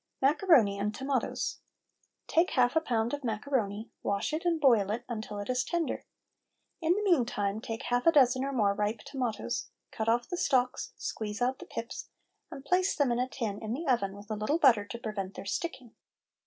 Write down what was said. MACARONI AND TOMATOES. Take half a pound of macaroni; wash it and boil it until it is tender. In the meantime take half a dozen or more ripe tomatoes; cut off the stalks, squeeze out the pips, and place them in a tin in the oven with a little butter to prevent their sticking.